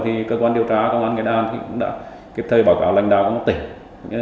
thì cơ quan điều tra công an nghĩa đan cũng đã kịp thời báo cáo lãnh đạo của một tỉnh